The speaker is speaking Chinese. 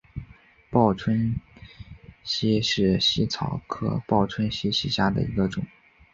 报春茜为茜草科报春茜属下的一个种。